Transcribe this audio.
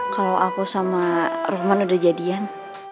kalo aku sama roman udah jadian